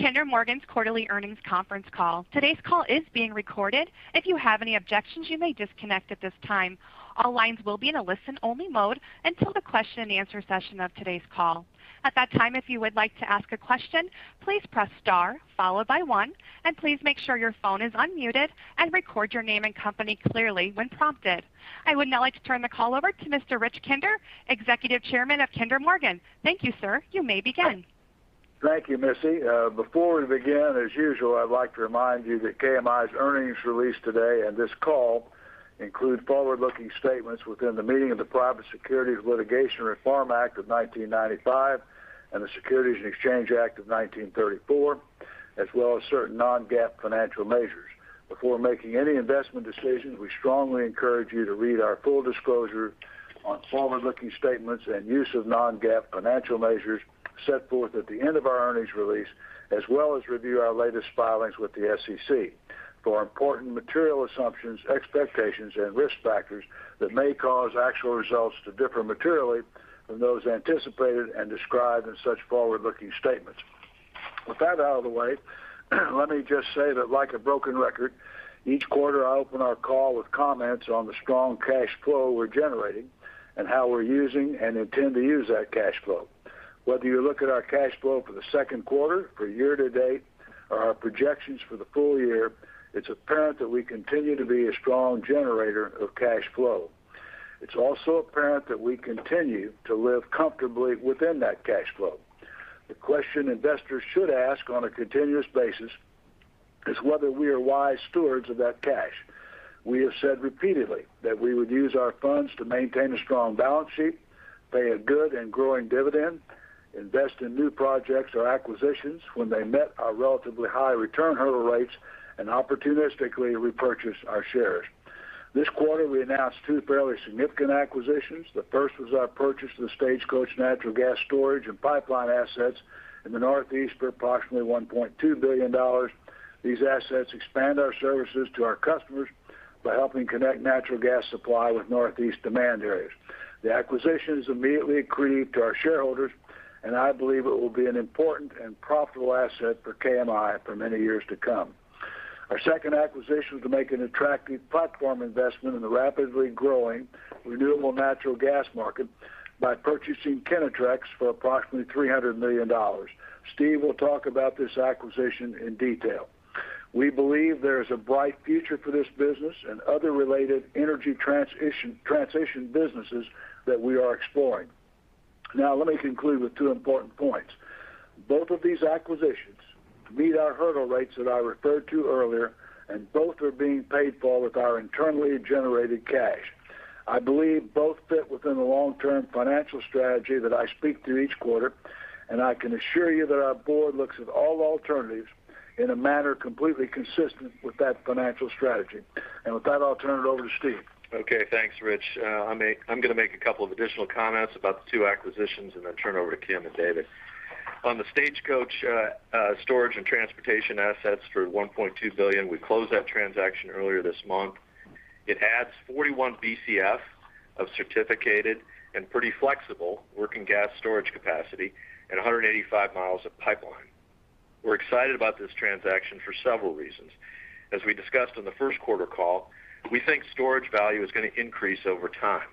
Kinder Morgan's quarterly earnings conference call. Today's call is being recorded. If you have any objections, you may disconnect at this time. All lines will be in a listen-only mode until the question-and-answer session of today's call. At that time, if you would like to ask a question, please press star followed by one, and please make sure your phone is unmuted and record your name and company clearly when prompted. I would now like to turn the call over to Mr. Rich Kinder, Executive Chairman of Kinder Morgan. Thank you, sir. You may begin. Thank you, Missy. Before we begin, as usual, I'd like to remind you that KMI's earnings release today and this call include forward-looking statements within the meaning of the Private Securities Litigation Reform Act of 1995 and the Securities Exchange Act of 1934, as well as certain non-GAAP financial measures. Before making any investment decisions, we strongly encourage you to read our full disclosure on forward-looking statements and use of non-GAAP financial measures set forth at the end of our earnings release, as well as review our latest filings with the SEC for important material assumptions, expectations, and risk factors that may cause actual results to differ materially from those anticipated and described in such forward-looking statements. With that out of the way, let me just say that like a broken record, each quarter I open our call with comments on the strong cash flow we're generating and how we're using and intend to use that cash flow. Whether you look at our cash flow for the second quarter, for year to date, or our projections for the full year, it's apparent that we continue to be a strong generator of cash flow. It's also apparent that we continue to live comfortably within that cash flow. The question investors should ask on a continuous basis is whether we are wise stewards of that cash. We have said repeatedly that we would use our funds to maintain a strong balance sheet, pay a good and growing dividend, invest in new projects or acquisitions when they met our relatively high return hurdle rates, and opportunistically repurchase our shares. This quarter, we announced two fairly significant acquisitions. The first was our purchase of the Stagecoach natural gas storage and pipeline assets in the Northeast for approximately $1.2 billion. These assets expand our services to our customers by helping connect natural gas supply with Northeast demand areas. The acquisition is immediately accretive to our shareholders, and I believe it will be an important and profitable asset for KMI for many years to come. Our second acquisition was to make an attractive platform investment in the rapidly growing renewable natural gas market by purchasing Kinetrex for approximately $300 million. Steve will talk about this acquisition in detail. We believe there is a bright future for this business and other related Energy Transition businesses that we are exploring. Now, let me conclude with two important points. Both of these acquisitions meet our hurdle rates that I referred to earlier, and both are being paid for with our internally generated cash. I believe both fit within the long-term financial strategy that I speak to each quarter, and I can assure you that our board looks at all alternatives in a manner completely consistent with that financial strategy. With that, I'll turn it over to Steve. Okay, thanks, Rich. I'm going to make a couple of additional comments about the two acquisitions and then turn it over to Kim and David. On the Stagecoach storage and transportation assets for $1.2 billion, we closed that transaction earlier this month. It adds 41 BCF of certificated and pretty flexible working gas storage capacity and 185 mi of pipeline. We're excited about this transaction for several reasons. As we discussed on the first quarter call, we think storage value is going to increase over time.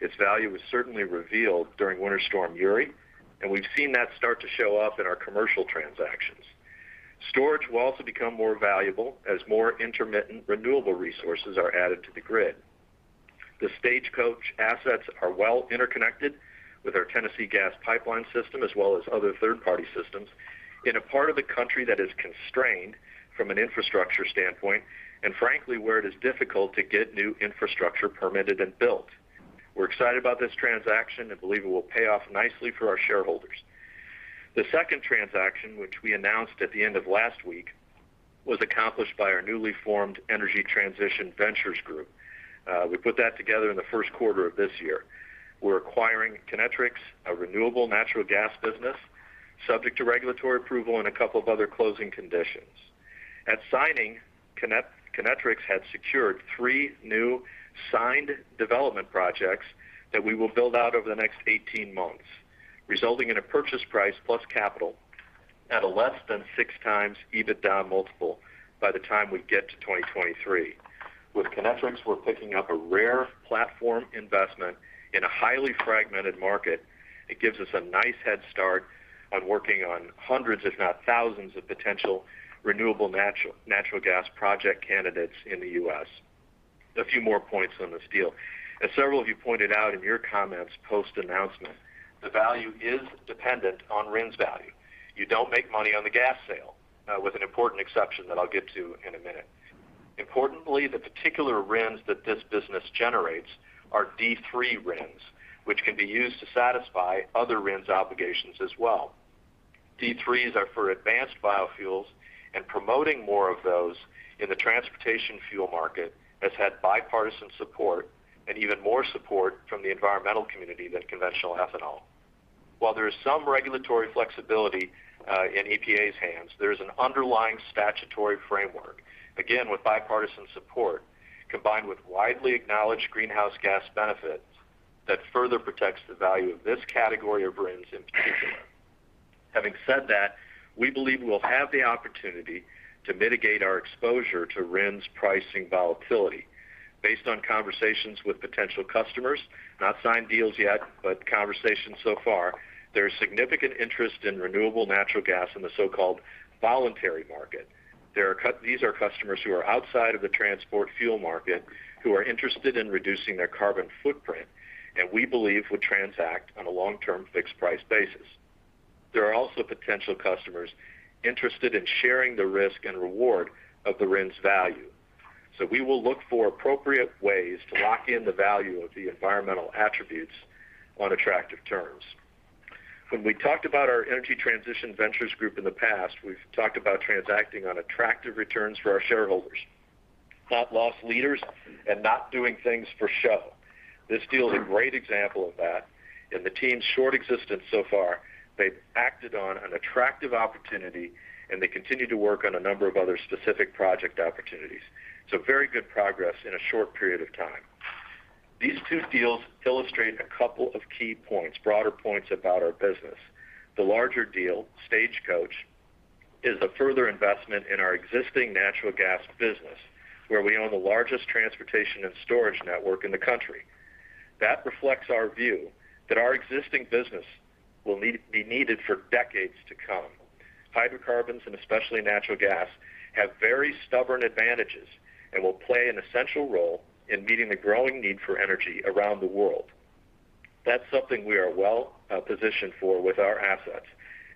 Its value was certainly revealed during Winter Storm Uri, and we've seen that start to show up in our commercial transactions. Storage will also become more valuable as more intermittent renewable resources are added to the grid. The Stagecoach assets are well interconnected with our Tennessee Gas Pipeline system, as well as other third-party systems in a part of the country that is constrained from an infrastructure standpoint, and frankly, where it is difficult to get new infrastructure permitted and built. We're excited about this transaction and believe it will pay off nicely for our shareholders. The second transaction, which we announced at the end of last week, was accomplished by our newly formed Energy Transition Ventures group. We put that together in the first quarter of this year. We're acquiring Kinetrex, a renewable natural gas business, subject to regulatory approval and a couple of other closing conditions. At signing, Kinetrex had secured three new signed development projects that we will build out over the next 18 months, resulting in a purchase price plus capital at a less than 6x EBITDA multiple by the time we get to 2023. With Kinetrex, we're picking up a rare platform investment in a highly fragmented market. It gives us a nice head start on working on hundreds, if not thousands, of potential renewable natural gas project candidates in the U.S. A few more points on this deal. As several of you pointed out in your comments post-announcement, the value is dependent on RINs value. You don't make money on the gas sale, with an important exception that I'll get to in a minute. Importantly, the particular RINs that this business generates are D3 RINs, which can be used to satisfy other RINs obligations as well. D3s are for advanced biofuels. Promoting more of those in the transportation fuel market has had bipartisan support and even more support from the environmental community than conventional ethanol. While there is some regulatory flexibility in EPA's hands, there is an underlying statutory framework, again with bipartisan support, combined with widely acknowledged greenhouse gas benefits. That further protects the value of this category of RINs in particular. Having said that, we believe we'll have the opportunity to mitigate our exposure to RINs pricing volatility. Based on conversations with potential customers, not signed deals yet, but conversations so far, there is significant interest in renewable natural gas in the so-called voluntary market. These are customers who are outside of the transport fuel market who are interested in reducing their carbon footprint, and we believe would transact on a long-term fixed price basis. There are also potential customers interested in sharing the risk and reward of the RINs value. We will look for appropriate ways to lock in the value of the environmental attributes on attractive terms. When we talked about our Energy Transition Ventures group in the past, we've talked about transacting on attractive returns for our shareholders, not loss leaders and not doing things for show. This deal is a great example of that. In the team's short existence so far, they've acted on an attractive opportunity, and they continue to work on a number of other specific project opportunities. Very good progress in a short period of time. These two deals illustrate a couple of key points, broader points about our business. The larger deal, Stagecoach, is a further investment in our existing natural gas business, where we own the largest transportation and storage network in the country. That reflects our view that our existing business will be needed for decades to come. Hydrocarbons, and especially natural gas, have very stubborn advantages and will play an essential role in meeting the growing need for energy around the world. That's something we are well positioned for with our assets,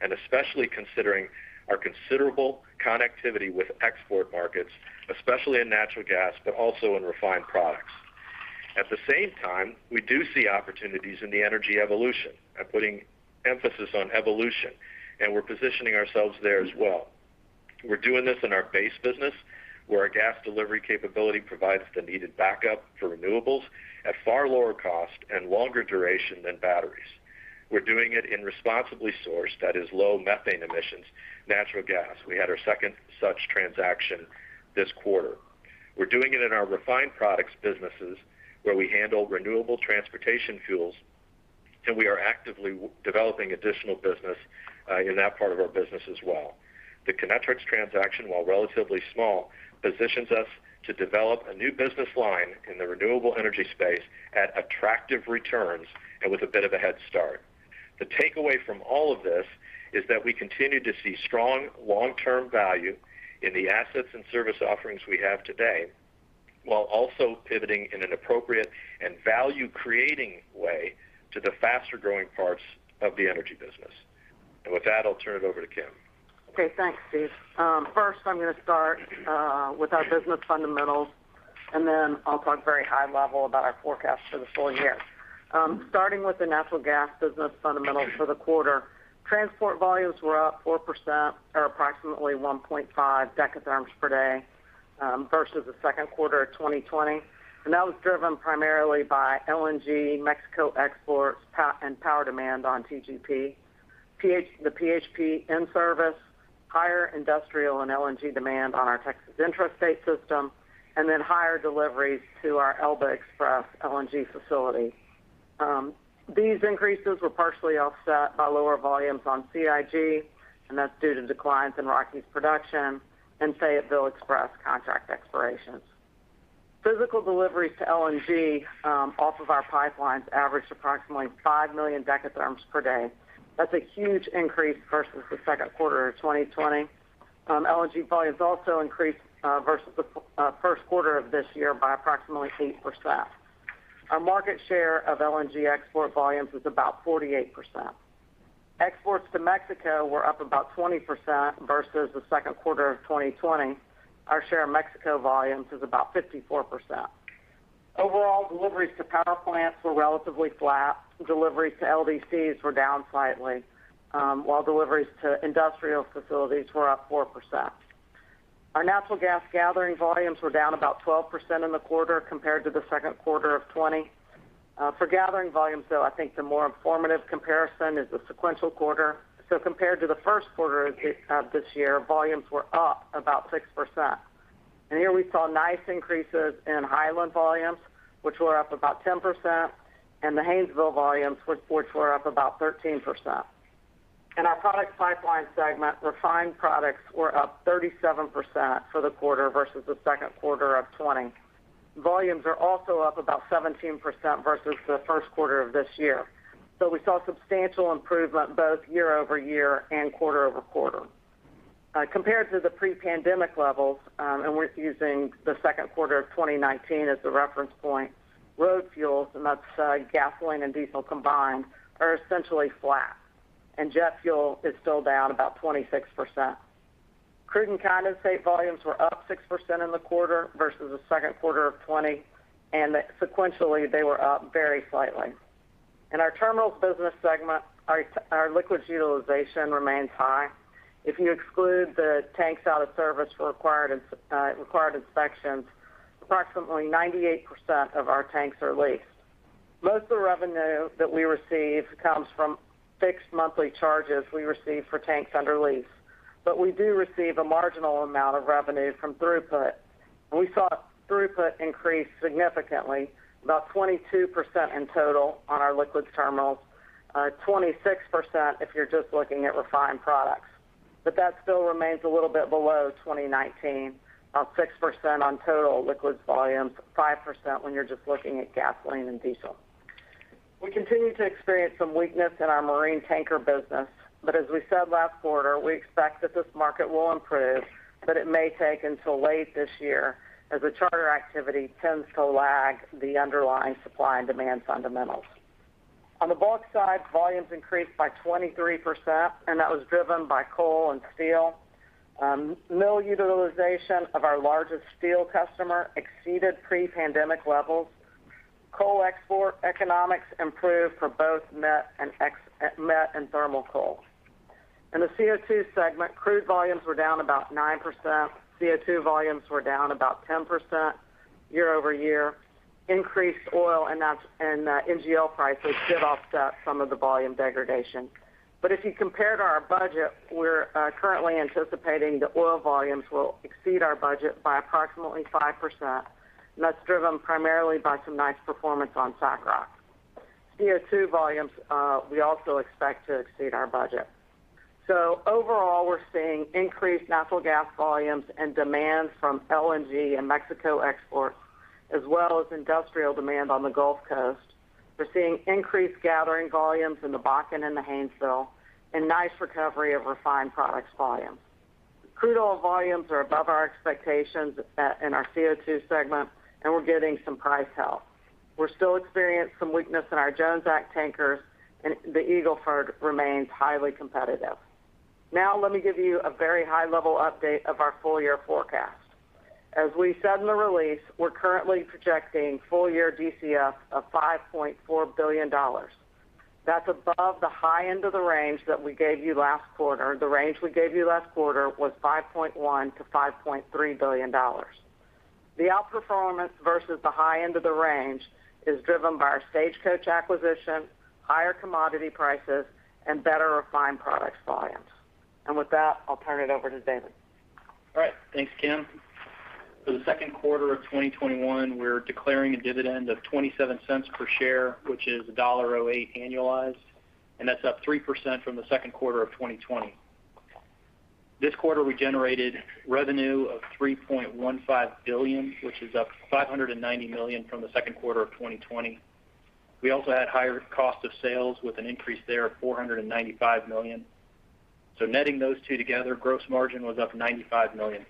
and especially considering our considerable connectivity with export markets, especially in natural gas, but also in refined products. At the same time, we do see opportunities in the energy evolution. I'm putting emphasis on evolution, and we're positioning ourselves there as well. We're doing this in our base business, where our gas delivery capability provides the needed backup for renewables at far lower cost and longer duration than batteries. We're doing it in responsibly sourced, that is low methane emissions, natural gas. We had our second such transaction this quarter. We're doing it in our refined products businesses where we handle renewable transportation fuels, and we are actively developing additional business in that part of our business as well. The Kinetrex transaction, while relatively small, positions us to develop a new business line in the renewable energy space at attractive returns and with a bit of a head start. The takeaway from all of this is that we continue to see strong long-term value in the assets and service offerings we have today, while also pivoting in an appropriate and value-creating way to the faster-growing parts of the energy business. With that, I'll turn it over to Kim. Okay, thanks, Steve. First, I'm going to start with our business fundamentals. Then I'll talk very high level about our forecast for the full year. Starting with the natural gas business fundamentals for the quarter, transport volumes were up 4%, or approximately [1.5 million Dth] per day, versus the second quarter of 2020. That was driven primarily by LNG Mexico exports and power demand on TGP, the PHP in service, higher industrial and LNG demand on our Texas intrastate system, and higher deliveries to our Elba Express LNG facility. These increases were partially offset by lower volumes on CIG. That's due to declines in Rockies production and Fayetteville Express contract expirations. Physical deliveries to LNG off of our pipelines averaged approximately 5 million Dth per day. That's a huge increase versus the second quarter of 2020. LNG volumes also increased versus the first quarter of this year by approximately 8%. Our market share of LNG export volumes was about 48%. Exports to Mexico were up about 20% versus the second quarter of 2020. Our share of Mexico volumes is about 54%. Overall, deliveries to power plants were relatively flat. Deliveries to LDCs were down slightly, while deliveries to industrial facilities were up 4%. Our natural gas gathering volumes were down about 12% in the quarter compared to the second quarter of 2020. For gathering volumes, though, I think the more informative comparison is the sequential quarter. Compared to the first quarter of this year, volumes were up about 6%. Here we saw nice increases in Hiland volumes, which were up about 10%, and the Haynesville volumes, which were up about 13%. In our Products Pipeline segment, refined products were up 37% for the quarter versus the second quarter of 2020. Volumes are also up about 17% versus the first quarter of this year. We saw substantial improvement both year-over-year and quarter-over-quarter. Compared to the pre-pandemic levels, and we're using the second quarter of 2019 as the reference point, road fuels, and that's gasoline and diesel combined, are essentially flat, and jet fuel is still down about 26%. Crude and condensate volumes were up 6% in the quarter versus the second quarter of 2020, and sequentially, they were up very slightly. In our Terminals business segment, our liquids utilization remains high. If you exclude the tanks out of service for required inspections, approximately 98% of our tanks are leased. Most of the revenue that we receive comes from fixed monthly charges we receive for tanks under lease. We do receive a marginal amount of revenue from throughput. We saw throughput increase significantly, about 22% in total on our liquids terminals, 26% if you're just looking at refined products. That still remains a little bit below 2019, about 6% on total liquids volumes, 5% when you're just looking at gasoline and diesel. We continue to experience some weakness in our marine tanker business. As we said last quarter, we expect that this market will improve, but it may take until late this year as the charter activity tends to lag the underlying supply and demand fundamentals. On the bulk side, volumes increased by 23%, and that was driven by coal and steel. Mill utilization of our largest steel customer exceeded pre-pandemic levels. Coal export economics improved for both met and thermal coal. In the CO2 segment, crude volumes were down about 9%, CO2 volumes were down about 10% year-over-year. Increased oil and NGL prices did offset some of the volume degradation. If you compare to our budget, we're currently anticipating that oil volumes will exceed our budget by approximately 5%, and that's driven primarily by some nice performance on SACROC. CO2 volumes we also expect to exceed our budget. Overall, we're seeing increased natural gas volumes and demand from LNG and Mexico exports, as well as industrial demand on the Gulf Coast. We're seeing increased gathering volumes in the Bakken and the Haynesville, and nice recovery of refined products volume. Crude oil volumes are above our expectations in our CO2 segment, and we're getting some price help. We're still experiencing some weakness in our Jones Act tankers, and the Eagle Ford remains highly competitive. Let me give you a very high-level update of our full-year forecast. As we said in the release, we're currently projecting full-year DCF of $5.4 billion. That's above the high end of the range that we gave you last quarter. The range we gave you last quarter was $5.1 billion-$5.3 billion. The outperformance versus the high end of the range is driven by our Stagecoach acquisition, higher commodity prices, and better refined products volumes. With that, I'll turn it over to David. All right. Thanks, Kim. For the second quarter of 2021, we're declaring a dividend of $0.27 per share, which is $1.08 annualized, and that's up 3% from the second quarter of 2020. This quarter, we generated revenue of $3.15 billion, which is up $590 million from the second quarter of 2020. We also had higher cost of sales with an increase there of $495 million. Netting those two together, gross margin was up $95 million.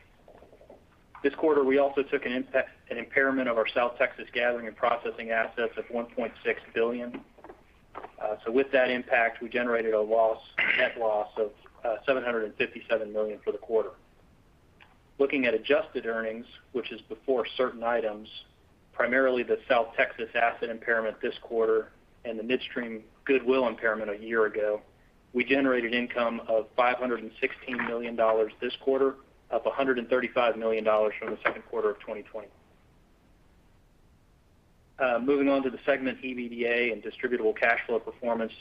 This quarter, we also took an impairment of our South Texas gathering and processing assets of $1.6 billion. With that impact, we generated a net loss of $757 million for the quarter. Looking at adjusted earnings, which is before certain items, primarily the South Texas asset impairment this quarter and the midstream goodwill impairment a year ago, we generated income of $516 million this quarter, up $135 million from the second quarter of 2020. Moving on to the segment EBITDA and distributable cash flow performance.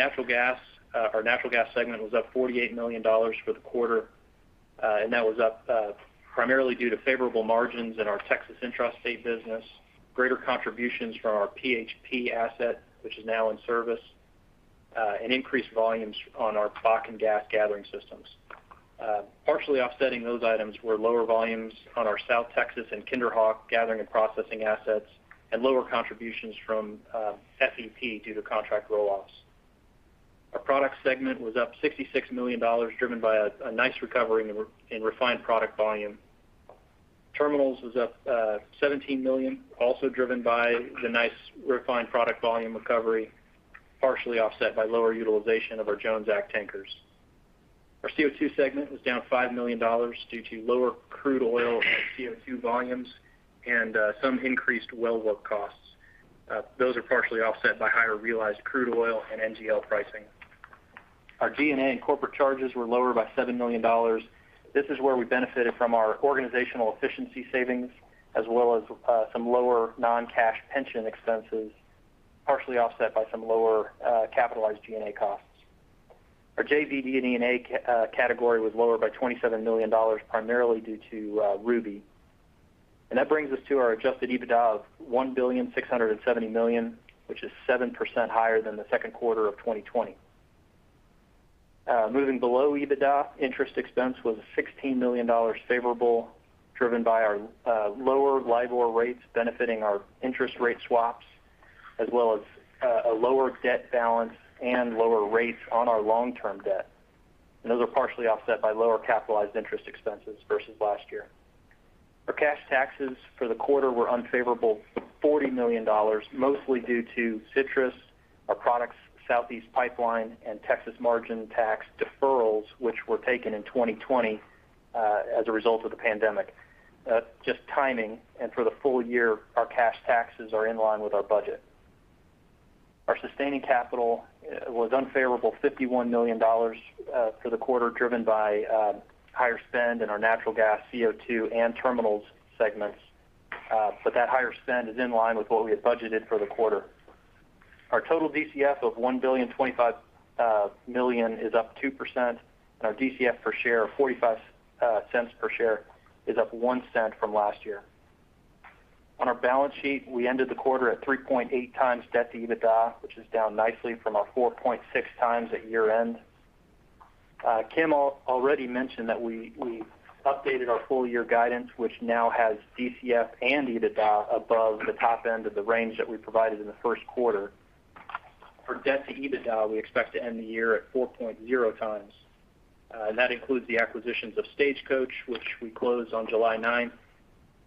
Our Natural Gas segment was up $48 million for the quarter, and that was up primarily due to favorable margins in our Texas intrastate business, greater contributions from our PHP asset, which is now in service, and increased volumes on our Bakken gas gathering systems. Partially offsetting those items were lower volumes on our South Texas and KinderHawk gathering and processing assets and lower contributions from FEP due to contract roll-offs. Our Products segment was up $66 million, driven by a nice recovery in refined product volume. Terminals was up $17 million, also driven by the nice refined product volume recovery, partially offset by lower utilization of our Jones Act tankers. Our CO2 segment was down $5 million due to lower crude oil and CO2 volumes and some increased well work costs. Those are partially offset by higher realized crude oil and NGL pricing. Our G&A and corporate charges were lower by $7 million. This is where we benefited from our organizational efficiency savings as well as some lower non-cash pension expenses, partially offset by some lower capitalized G&A costs. Our JV DD&A category was lower by $27 million, primarily due to Ruby. That brings us to our adjusted EBITDA of $1.670 billion, which is 7% higher than the second quarter of 2020. Moving below EBITDA, interest expense was $16 million favorable, driven by our lower LIBOR rates benefiting our interest rate swaps, as well as a lower debt balance and lower rates on our long-term debt. Those are partially offset by lower capitalized interest expenses versus last year. Our cash taxes for the quarter were unfavorable, $40 million, mostly due to Citrus, our Products Southeast Pipeline, and Texas margin tax deferrals, which were taken in 2020 as a result of the pandemic. Just timing. For the full year, our cash taxes are in line with our budget. Our sustaining capital was unfavorable, $51 million for the quarter, driven by higher spend in our Natural Gas, CO2, and Terminals segments. That higher spend is in line with what we had budgeted for the quarter. Our total DCF of $1.025 billion is up 2%, and our DCF per share of $0.45 per share is up $0.01 from last year. On our balance sheet, we ended the quarter at 3.8x debt to EBITDA, which is down nicely from our 4.6x at year end. Kim already mentioned that we updated our full-year guidance, which now has DCF and EBITDA above the top end of the range that we provided in the first quarter. For debt to EBITDA, we expect to end the year at 4.0x. That includes the acquisitions of Stagecoach, which we closed on July 9th,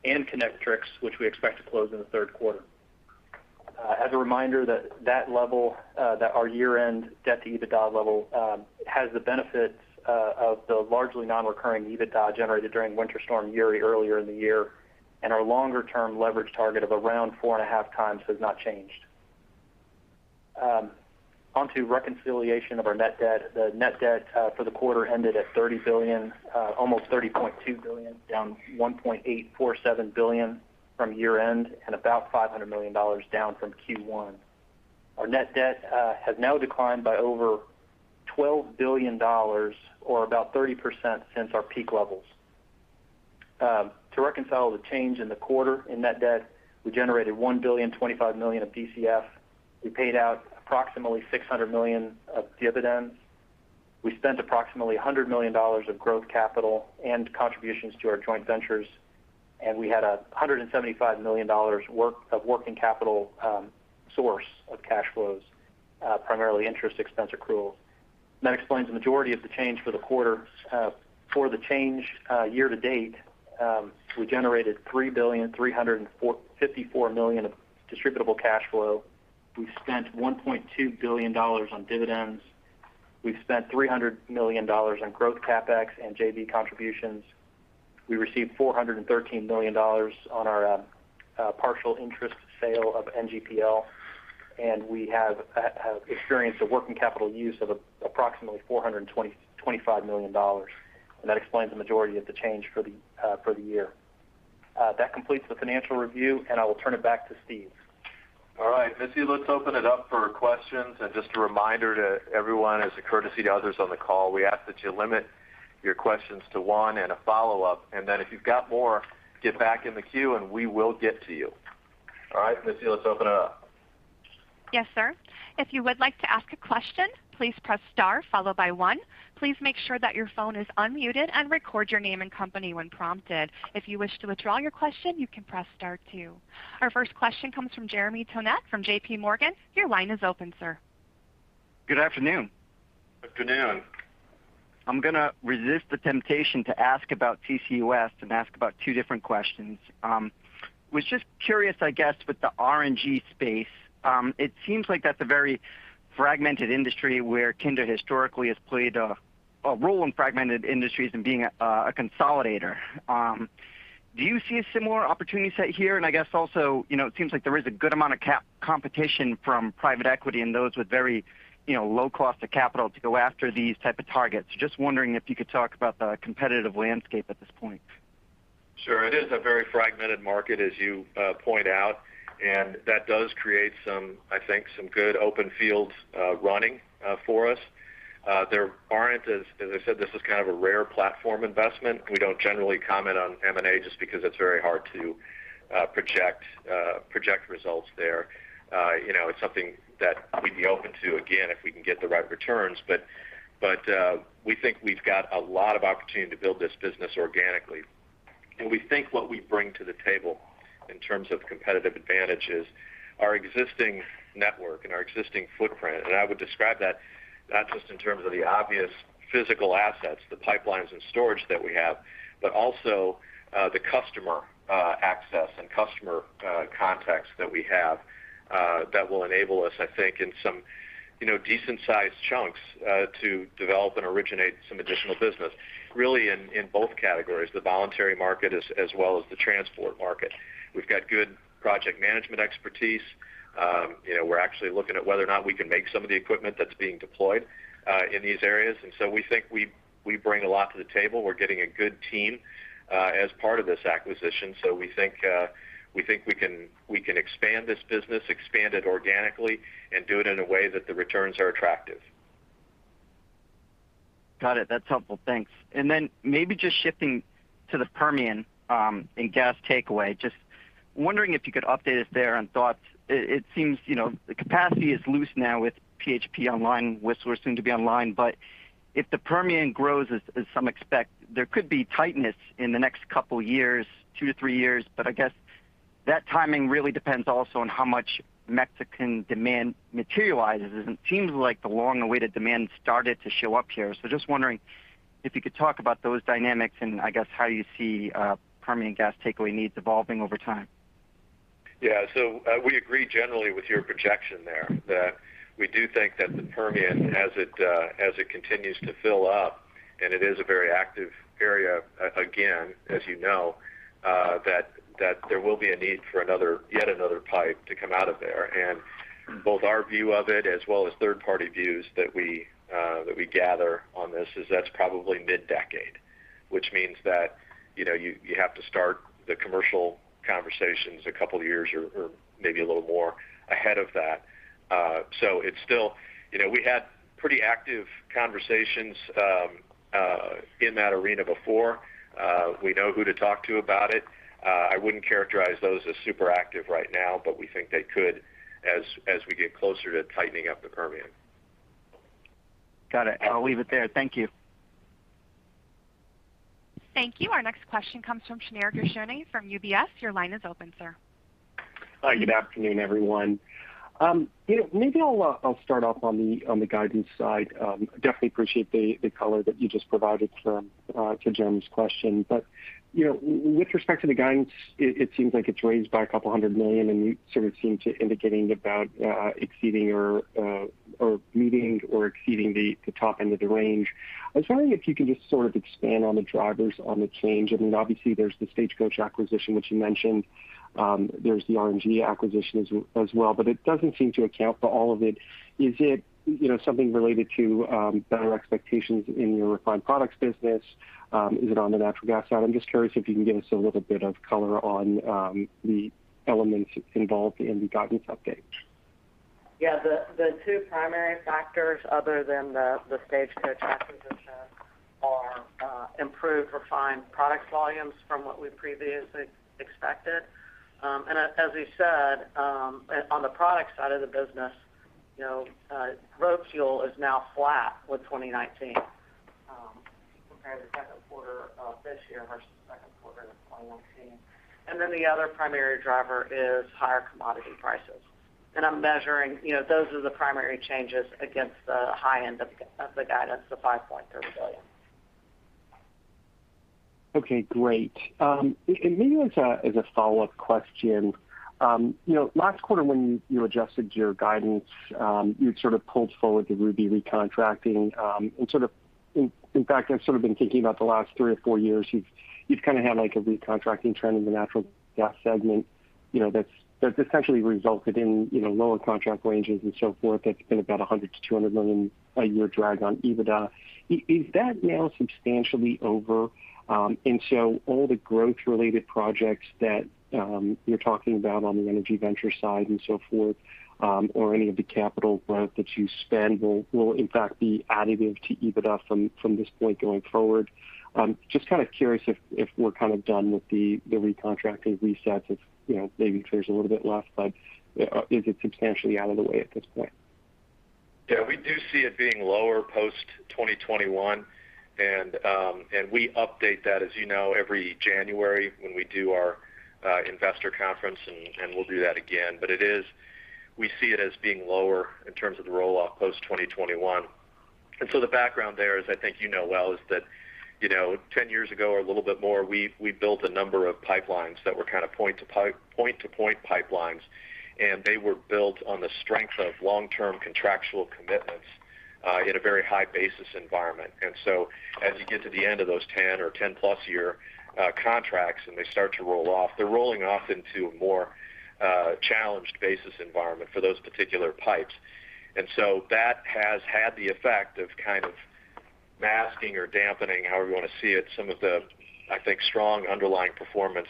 and Kinetrex, which we expect to close in the third quarter. As a reminder, that our year-end debt-to-EBITDA level has the benefit of the largely non-recurring EBITDA generated during Winter Storm Uri earlier in the year, and our longer-term leverage target of around 4.5x has not changed. On to reconciliation of our net debt. The net debt for the quarter ended at almost $30.2 billion, down $1.847 billion from year-end, and about $500 million down from Q1. Our net debt has now declined by over $12 billion, or about 30% since our peak levels. To reconcile the change in the quarter in net debt, we generated $1.025 billion of DCF. We paid out approximately $600 million of dividends. We spent approximately $100 million of growth capital and contributions to our joint ventures. We had a $175 million of working capital source of cash flows, primarily interest expense accrual. That explains the majority of the change for the quarter. For the change year to date, we generated $3.354 billion of distributable cash flow. We've spent $1.2 billion on dividends. We've spent $300 million on growth CapEx and JV contributions. We received $413 million on our partial interest sale of NGPL, and we have experienced a working capital use of approximately $425 million. That explains the majority of the change for the year. That completes the financial review, and I will turn it back to Steve. All right, Missy, let's open it up for questions. Just a reminder to everyone, as a courtesy to others on the call, we ask that you limit your questions to one and a follow-up. Then if you've got more, get back in the queue, and we will get to you. All right, Missy, let's open it up. Yes, sir. If you would like to ask a question please press star followed by one. Please make sure that your phone is unmuted and record your name and company when prompted. If you wish to withdraw your question you can press star two. Our first question comes from Jeremy Tonet from JPMorgan. Your line is open, sir. Good afternoon. Good afternoon. I'm going to resist the temptation to ask about CCUS and ask about two different questions. I was just curious, I guess, with the RNG space. It seems like that's a very fragmented industry where Kinder historically has played a role in fragmented industries in being a consolidator. Do you see a similar opportunity set here? I guess also, it seems like there is a good amount of competition from private equity and those with very low cost of capital to go after these type of targets. I was just wondering if you could talk about the competitive landscape at this point. Sure. It is a very fragmented market, as you point out, and that does create some, I think, some good open fields running for us. There aren't, as I said, this is kind of a rare platform investment. We don't generally comment on M&A just because it's very hard to project results there. It's something that we'd be open to, again, if we can get the right returns, but we think we've got a lot of opportunity to build this business organically. We think what we bring to the table in terms of competitive advantage is our existing network and our existing footprint. I would describe that not just in terms of the obvious physical assets, the pipelines and storage that we have, but also the customer access and customer contacts that we have that will enable us, I think, in some decent-sized chunks to develop and originate some additional business, really in both categories, the voluntary market as well as the transport market. We've got good project management expertise. We're actually looking at whether or not we can make some of the equipment that's being deployed in these areas. We think we bring a lot to the table. We're getting a good team as part of this acquisition. We think we can expand this business, expand it organically, and do it in a way that the returns are attractive. Got it. That's helpful. Thanks. Maybe just shifting to the Permian and gas takeaway, just wondering if you could update us there on thoughts. It seems the capacity is loose now with PHP online, Whistler soon to be online. If the Permian grows as some expect, there could be tightness in the next couple years, two to three years. I guess that timing really depends also on how much Mexican demand materializes. It seems like the long-awaited demand started to show up here. Just wondering if you could talk about those dynamics and I guess how you see Permian gas takeaway needs evolving over time. Yeah. We agree generally with your projection there, that we do think that the Permian, as it continues to fill up, and it is a very active area again, as you know, that there will be a need for yet another pipe to come out of there. Both our view of it as well as third-party views that we gather on this is that's probably mid-decade. Which means that you have to start the commercial conversations a couple years or maybe a little more ahead of that. We had pretty active conversations in that arena before. We know who to talk to about it. I wouldn't characterize those as super active right now, but we think they could as we get closer to tightening up the Permian. Got it. I'll leave it there. Thank you. Thank you. Our next question comes from Shneur Gershuni from UBS. Your line is open, sir. Hi, good afternoon, everyone. Maybe I'll start off on the guidance side. Definitely appreciate the color that you just provided to Jeremy's question. With respect to the guidance, it seems like it's raised by a couple of hundred million, and you sort of seem to indicating about meeting or exceeding the top end of the range. I was wondering if you could just sort of expand on the drivers on the change. I mean, obviously there's the Stagecoach acquisition that you mentioned. There's the RNG acquisition as well, but it doesn't seem to account for all of it. Is it something related to better expectations in your refined products business? Is it on the Natural Gas side? I'm just curious if you can give us a little bit of color on the elements involved in the guidance update. Yeah. The two primary factors other than the Stagecoach acquisition are improved refined products volumes from what we previously expected. As we said on the product side of the business, road fuel is now flat with 2019 compared to second quarter of this year versus second quarter of 2019. The other primary driver is higher commodity prices. I'm measuring, those are the primary changes against the high end of the guidance of $5.3 billion. Okay, great. Maybe as a follow-up question. Last quarter when you adjusted your guidance, you had sort of pulled forward the Ruby recontracting. In fact, I've sort of been thinking about the last three or four years, you've kind of had like a recontracting trend in the Natural Gas segment that's essentially resulted in lower contract ranges and so forth. That's been about $100 million-$200 million a year drag on EBITDA. Is that now substantially over? So all the growth-related projects that you're talking about on the Energy Ventures side and so forth, or any of the capital growth that you spend will in fact be additive to EBITDA from this point going forward? Just kind of curious if we're kind of done with the recontracting resets if maybe there's a little bit left, but is it substantially out of the way at this point? Yeah, we do see it being lower post-2021 and we update that, as you know, every January when we do our investor conference, and we'll do that again. We see it as being lower in terms of the roll-off post-2021. The background there is, I think you know well, is that 10 years ago or a little bit more, we built a number of pipelines that were kind of point-to-point pipelines, and they were built on the strength of long-term contractual commitments in a very high-basis environment. As you get to the end of those 10 or 10+ year contracts and they start to roll off, they're rolling off into a more challenged basis environment for those particular pipes. That has had the effect of kind of masking or dampening, however you want to see it, some of the, I think, strong underlying performance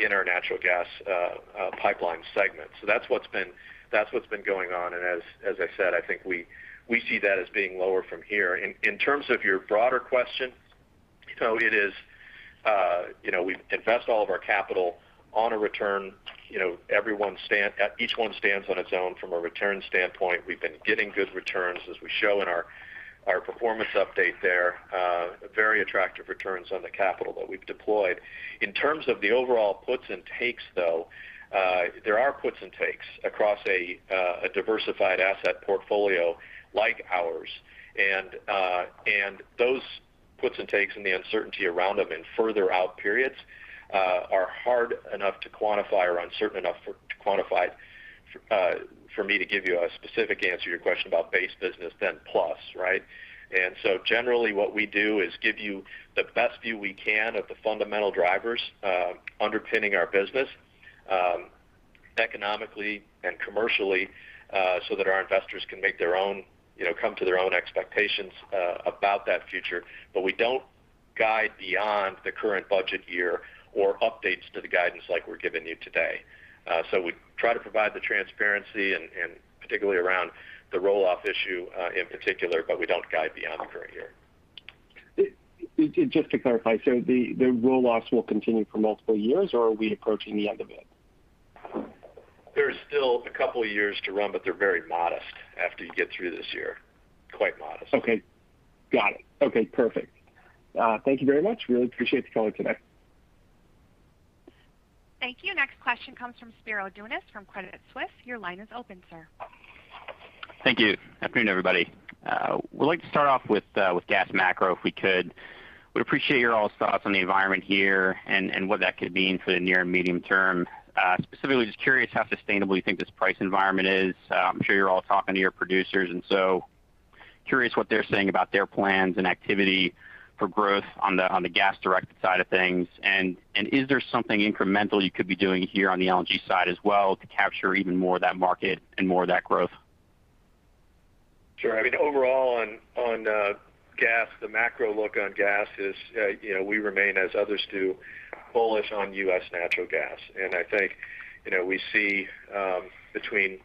in our Natural Gas Pipelines segment. That's what's been going on, and as I said, I think we see that as being lower from here. In terms of your broader question, we invest all of our capital on a return. Each one stands on its own from a return standpoint. We've been getting good returns as we show in our performance update there. Very attractive returns on the capital that we've deployed. In terms of the overall puts and takes, though, there are puts and takes across a diversified asset portfolio like ours. Those puts and takes and the uncertainty around them in further out periods are hard enough to quantify or uncertain enough to quantify for me to give you a specific answer to your question about base business then plus, right? Generally what we do is give you the best view we can of the fundamental drivers underpinning our business economically and commercially so that our investors can come to their own expectations about that future. We don't guide beyond the current budget year or updates to the guidance like we're giving you today. We try to provide the transparency and particularly around the roll-off issue in particular, but we don't guide beyond the current year. Just to clarify, the roll-offs will continue for multiple years or are we approaching the end of it? There's still a couple of years to run. They're very modest after you get through this year. Quite modest. Okay. Got it. Okay, perfect. Thank you very much. Really appreciate the color today. Thank you. Next question comes from Spiro Dounis from Credit Suisse. Your line is open, sir. Thank you. Afternoon, everybody. Would like to start off with gas macro if we could. Would appreciate your all's thoughts on the environment here and what that could mean for the near and medium term. Specifically, just curious how sustainable you think this price environment is? I'm sure you're all talking to your producers and so curious what they're saying about their plans and activity for growth on the gas-directed side of things? Is there something incremental you could be doing here on the LNG side as well to capture even more of that market and more of that growth? Sure. I mean, overall on gas, the macro look on gas is we remain as others do bullish on U.S. natural gas. I think we see between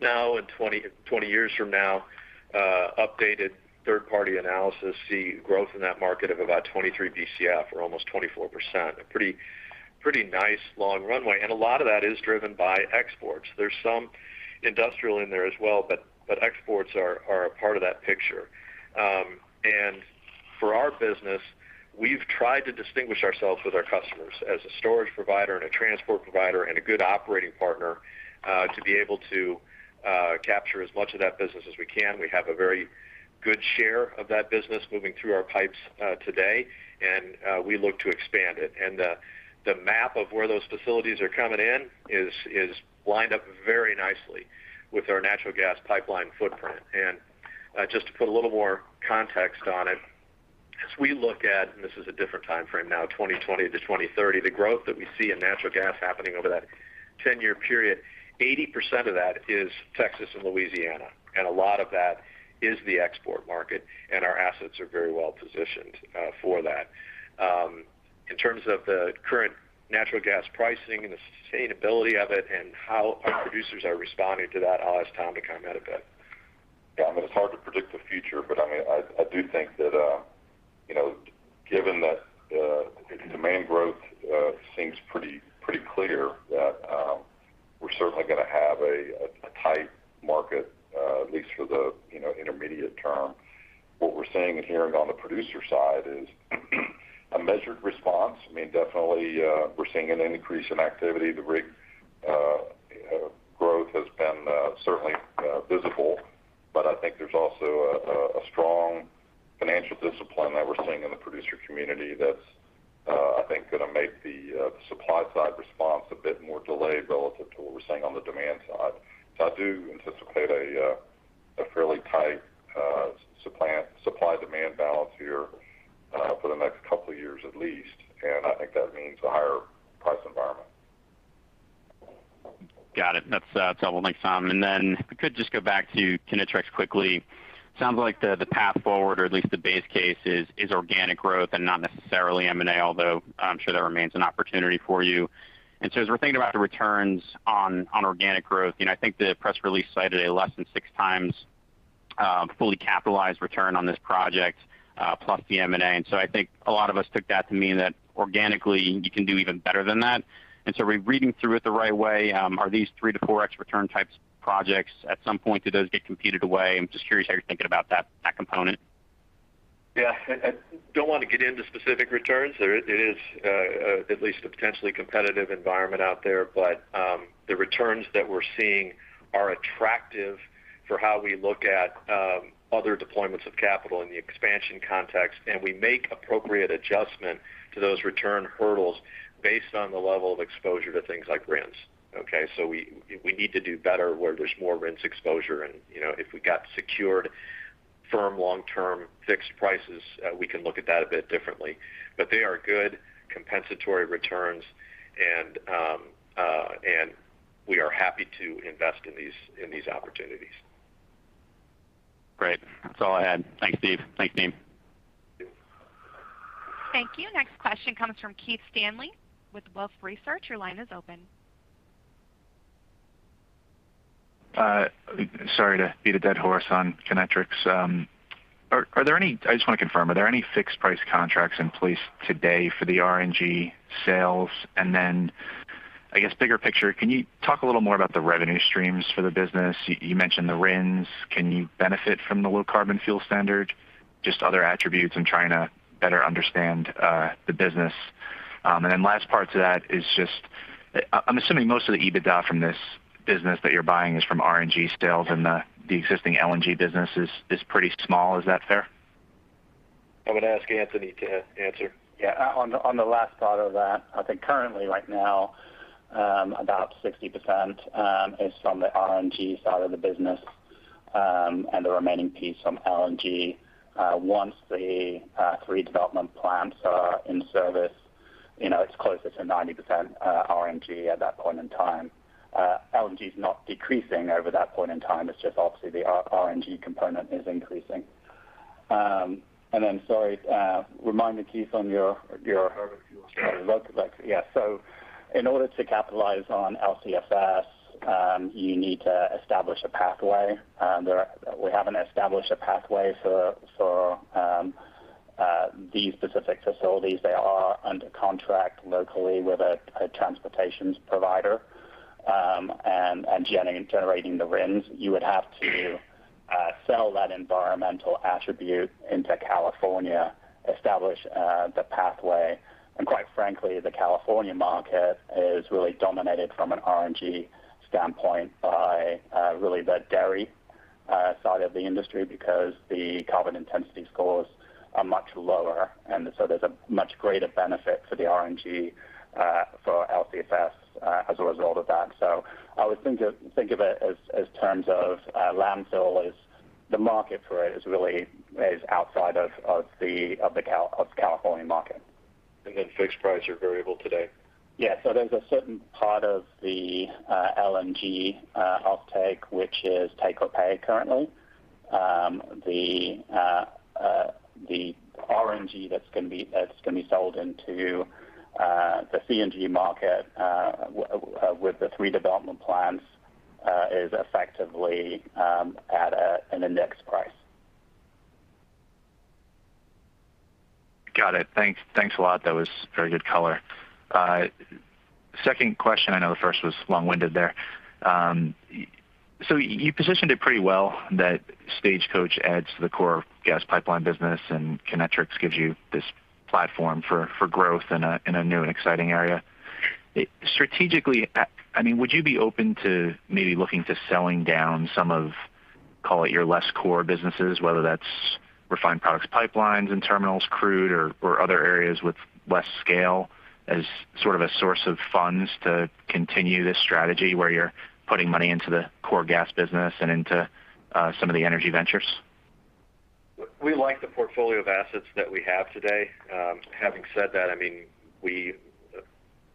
now and 20 years from now, updated third-party analysis see growth in that market of about 23 BCF, or almost 24%. A pretty nice long runway. A lot of that is driven by exports. There's some industrial in there as well, but exports are a part of that picture. For our business, we've tried to distinguish ourselves with our customers as a storage provider and a transport provider and a good operating partner, to be able to capture as much of that business as we can. We have a very good share of that business moving through our pipes today, and we look to expand it. The map of where those facilities are coming in is lined up very nicely with our natural gas pipeline footprint. Just to put a little more context on it, as we look at, and this is a different timeframe now, 2020-2030, the growth that we see in natural gas happening over that 10-year period, 80% of that is Texas and Louisiana, and a lot of that is the export market, and our assets are very well positioned for that. In terms of the current natural gas pricing and the sustainability of it and how our producers are responding to that, I'll ask Tom to comment a bit. Yeah, I mean, it's hard to predict the future, but I do think that given that the demand growth seems pretty clear that we're certainly going to have a tight market at least for the intermediate term. What we're seeing and hearing on the producer side is a measured response. I mean, definitely we're seeing an increase in activity. The rig growth has been certainly visible. I think there's also a strong financial discipline that we're seeing in the producer community that's I think going to make the supply side response a bit more delayed relative to what we're seeing on the demand side. I do anticipate a fairly tight supply-demand balance here for the next couple of years at least, and I think that means a higher-price environment. Got it. That's helpful. Thanks, Tom. If we could just go back to Kinetrex quickly. Sounds like the path forward or at least the base case is organic growth and not necessarily M&A, although I'm sure that remains an opportunity for you. As we're thinking about the returns on organic growth, I think the press release cited a less than 6x fully capitalized return on this project, plus the M&A. I think a lot of us took that to mean that organically you can do even better than that. Are we reading through it the right way? Are these 3x-4x return types projects? At some point, do those get competed away? I'm just curious how you're thinking about that component. Yeah. I don't want to get into specific returns. It is at least a potentially competitive environment out there. The returns that we're seeing are attractive for how we look at other deployments of capital in the expansion context. We make appropriate adjustment to those return hurdles based on the level of exposure to things like RINs. Okay? We need to do better where there's more RINs exposure. If we got secured firm long-term fixed prices, we can look at that a bit differently. They are good compensatory returns and we are happy to invest in these opportunities. Great. That's all I had. Thanks, Steve. Thanks, team. Thank you. Next question comes from Keith Stanley with Wolfe Research. Your line is open. Sorry to beat a dead horse on Kinetrex. I just want to confirm, are there any fixed price contracts in place today for the RNG sales? Then I guess bigger picture, can you talk a little more about the revenue streams for the business? You mentioned the RINs. Can you benefit from the Low Carbon Fuel Standard? Just other attributes? I'm trying to better understand the business. Then last part to that is just I'm assuming most of the EBITDA from this business that you're buying is from RNG sales and the existing LNG business is pretty small. Is that fair? I'm going to ask Anthony to answer. Yeah. On the last part of that, I think currently right now about 60% is from the RNG side of the business. The remaining piece from LNG. Once the three development plants are in service, it's closer to 90% RNG at that point in time. LNG is not decreasing over that point in time. It's just obviously the RNG component is increasing. Sorry remind me, Keith. Low Carbon Fuel Standard. Yeah. In order to capitalize on LCFS you need to establish a pathway. We haven't established a pathway for these specific facilities. They are under contract locally with a transportations provider and generating the RINs. You would have to sell that environmental attribute into California, establish the pathway. Quite frankly, the California market is really dominated from an RNG standpoint by really the dairy side of the industry because the carbon intensity scores are much lower. There's a much greater benefit for the RNG for LCFS as a result of that. I would think of it as terms of landfill is the market for it is really outside of the California market. And then fixed price, you're variable today. Yeah. There's a certain part of the LNG offtake which is take or pay currently. The RNG that's going to be sold into the CNG market with the three development plans is effectively at an index price. Got it. Thanks a lot. That was very good color. Second question, I know the first was long-winded there. You positioned it pretty well that Stagecoach adds to the core gas pipeline business and Kinetrex gives you this platform for growth in a new and exciting area. Strategically, would you be open to maybe looking to selling down some of, call it your less core businesses, whether that's refined products pipelines and terminals, crude, or other areas with less scale as sort of a source of funds to continue this strategy where you're putting money into the core gas business and into some of the energy ventures? We like the portfolio of assets that we have today. Having said that, we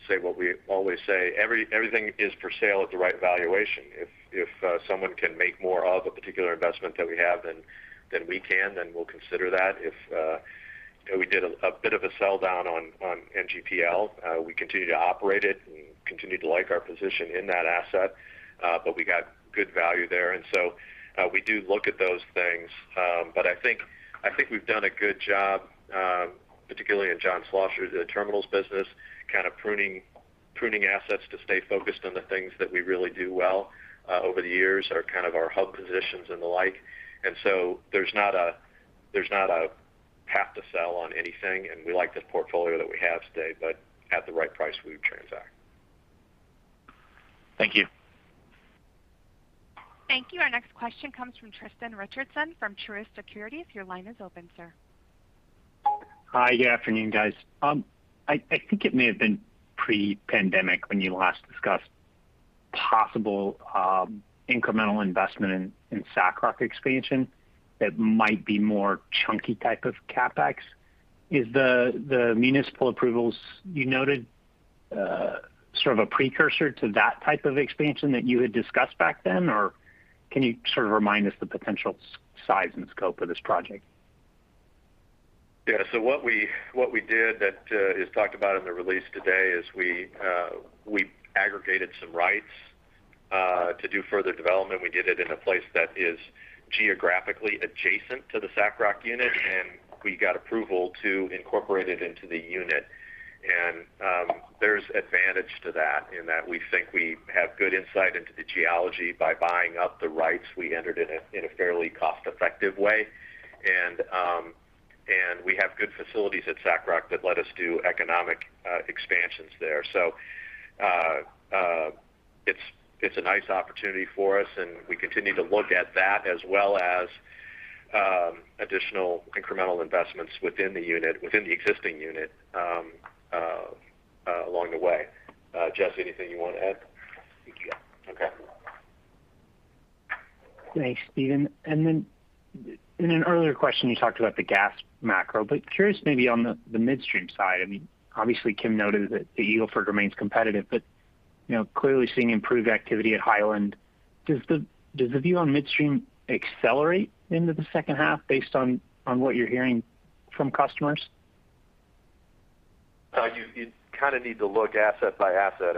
say what we always say, everything is for sale at the right valuation. If someone can make more of a particular investment that we have than we can, then we'll consider that. We did a bit of a sell-down on NGPL. We continue to operate it and continue to like our position in that asset. We got good value there. We do look at those things. I think we've done a good job, particularly in John Schlosser's Terminals business, kind of pruning assets to stay focused on the things that we really do well over the years are kind of our hub positions and the like. There's not a have to sell on anything, and we like the portfolio that we have today, but at the right price, we would transact. Thank you. Thank you. Our next question comes from Tristan Richardson from Truist Securities. Your line is open, sir. Hi. Good afternoon, guys. I think it may have been pre-pandemic when you last discussed possible incremental investment in SACROC expansion that might be more chunky type of CapEx. Is the municipal approvals you noted sort of a precursor to that type of expansion that you had discussed back then, or can you sort of remind us the potential size and scope of this project? Yeah. What we did that is talked about in the release today is we aggregated some rights to do further development. We did it in a place that is geographically adjacent to the SACROC unit, and we got approval to incorporate it into the unit. There's advantage to that in that we think we have good insight into the geology by buying up the rights. We entered it in a fairly cost-effective way. We have good facilities at SACROC that let us do economic expansions there. It's a nice opportunity for us, and we continue to look at that as well as additional incremental investments within the existing unit along the way. Jesse, anything you want to add? Think you got it. Okay. Thanks, Steve. In an earlier question, you talked about the gas macro, but curious maybe on the midstream side. Obviously Kim noted that the Eagle Ford remains competitive, but clearly seeing improved activity at Hiland. Does the view on midstream accelerate into the second half based on what you're hearing from customers? You kind of need to look asset by asset.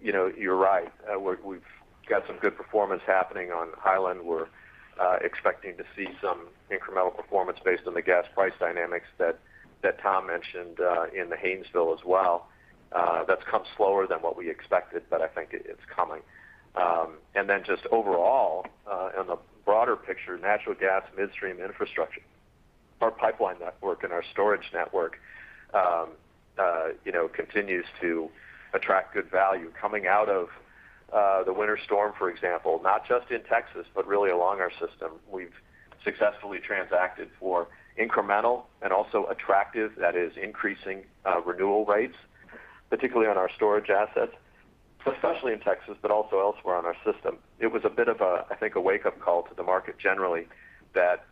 You're right. We've got some good performance happening on Hiland. We're expecting to see some incremental performance based on the gas price dynamics that Tom mentioned in the Haynesville as well. That's come slower than what we expected, but I think it's coming. Just overall, in the broader picture, natural gas midstream infrastructure, our pipeline network and our storage network continues to attract good value. Coming out of the winter storm, for example, not just in Texas, but really along our system, we've successfully transacted for incremental and also attractive, that is increasing renewal rates, particularly on our storage assets, especially in Texas, but also elsewhere on our system. It was a bit of a, I think, a wake-up call to the market generally that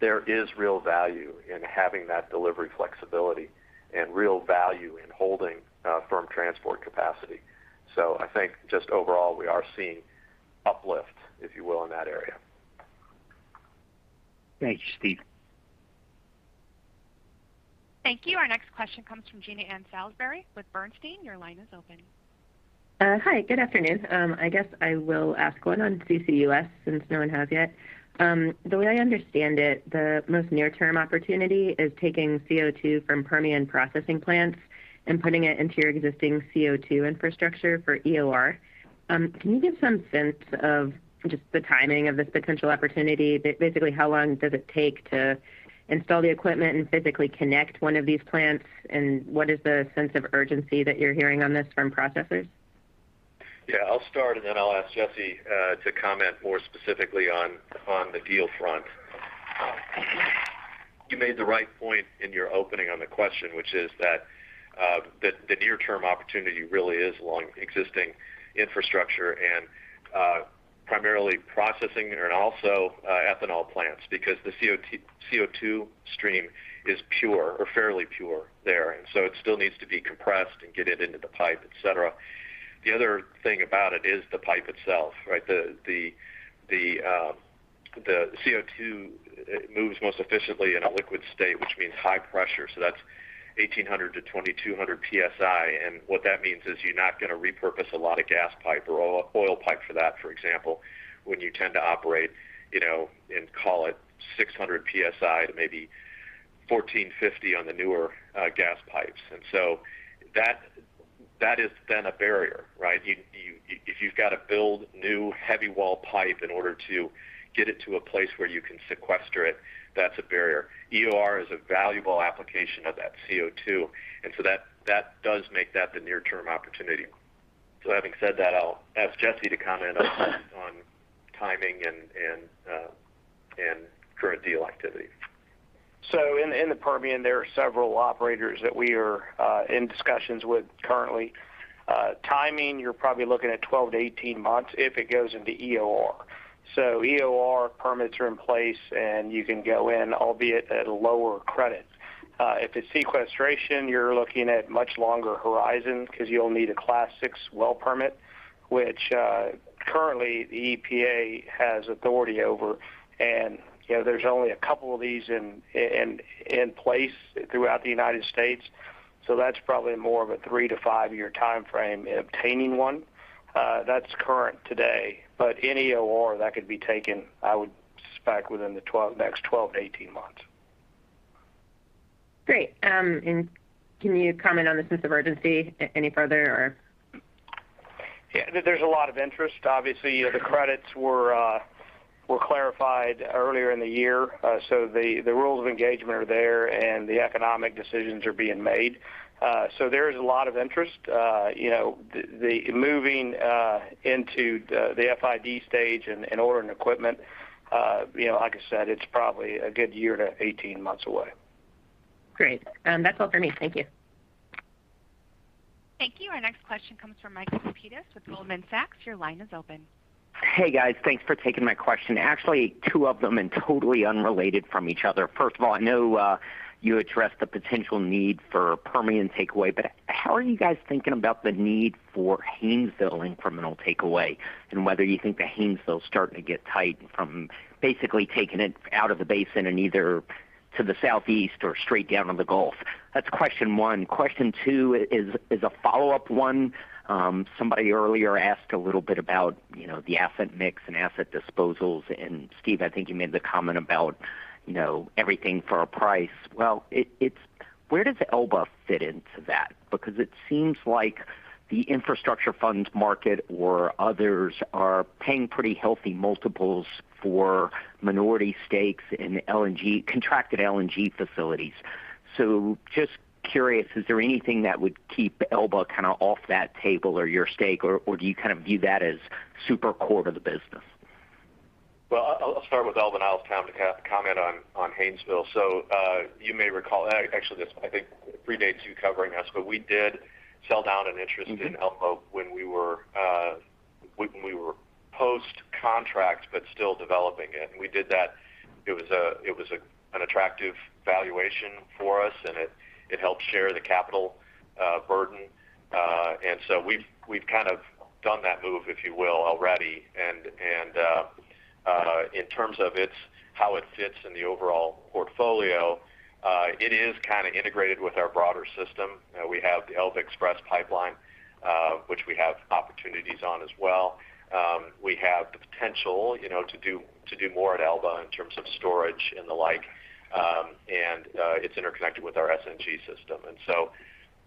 there is real value in having that delivery flexibility and real value in holding firm transport capacity. I think just overall, we are seeing uplift, if you will, in that area. Thanks, Steve. Thank you. Our next question comes from Jean Ann Salisbury with Bernstein. Your line is open. Hi, good afternoon. I guess I will ask one on CCUS since no one has yet. The way I understand it, the most near-term opportunity is taking CO2 from Permian processing plants and putting it into your existing CO2 infrastructure for EOR. Can you give some sense of just the timing of this potential opportunity? Basically, how long does it take to install the equipment and physically connect one of these plants, and what is the sense of urgency that you're hearing on this from processors? Yeah, I'll start and then I'll ask Jesse to comment more specifically on the deal front. You made the right point in your opening on the question, which is that the near-term opportunity really is along existing infrastructure and primarily processing and also ethanol plants because the CO2 stream is pure or fairly pure there, and so it still needs to be compressed and get it into the pipe, et cetera. The other thing about it is the pipe itself, right? The CO2 moves most efficiently in a liquid state, which means high pressure, so that's 1,800-2,200 PSI. What that means is you're not going to repurpose a lot of gas pipe or oil pipe for that, for example, when you tend to operate in call it 600 PSI to maybe 1,450 PSI on the newer gas pipes. So that is then a barrier, right? If you've got to build new heavy wall pipe in order to get it to a place where you can sequester it, that's a barrier. EOR is a valuable application of that CO2, that does make that the near-term opportunity. Having said that, I'll ask Jesse to comment on timing and current deal activity. In the Permian, there are several operators that we are in discussions with currently. Timing, you're probably looking at 12-18 months if it goes into EOR. EOR permits are in place, and you can go in, albeit at a lower credit. If it's sequestration, you're looking at much longer horizon because you'll need a Class VI well permit, which currently the EPA has authority over. There's only a couple of these in place throughout the United States, so that's probably more of a three- to five-year timeframe in obtaining one. That's current today. An EOR, that could be taken, I would suspect, within the next 12-18 months. Great. Can you comment on the sense of urgency any further? Yeah. There's a lot of interest. Obviously, the credits were clarified earlier in the year. The rules of engagement are there and the economic decisions are being made. There is a lot of interest. The moving into the FID stage and ordering equipment, like I said, it's probably a good year to 18 months away. Great. That's all for me. Thank you. Thank you. Our next question comes from Michael Lapides with Goldman Sachs. Your line is open. Hey, guys. Thanks for taking my question. Actually, two of them totally unrelated from each other. First of all, I know you addressed the potential need for Permian takeaway, how are you guys thinking about the need for Haynesville incremental takeaway, and whether you think the Haynesville's starting to get tight from basically taking it out of the basin and either to the southeast or straight down to the Gulf? That's question one. Question two is a follow-up one. Somebody earlier asked a little bit about the asset mix and asset disposals, Steve, I think you made the comment about everything for a price. Well, where does Elba fit into that? It seems like the infrastructure funds market or others are paying pretty healthy multiples for minority stakes in contracted LNG facilities. Just curious, is there anything that would keep Elba off that table or your stake, or do you view that as super core to the business? Well, I'll start with Elba, and I'll have Tom comment on Haynesville. You may recall—actually, this I think predates you covering us, but we did sell down an interest in Elba when we were post-contract but still developing it, and we did that. It was an attractive valuation for us, and it helped share the capital burden. We've kind of done that move, if you will, already. In terms of how it fits in the overall portfolio, it is integrated with our broader system. We have the Elba Express Pipeline which we have opportunities on as well. We have the potential to do more at Elba in terms of storage and the like. It's interconnected with our SNG system.